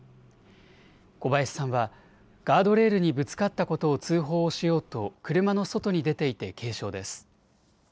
小林さんはガードレールにぶつかったことを通報をしようと車の外に出ていて軽傷です。